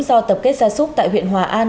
do tập kết xa xúc tại huyện hòa an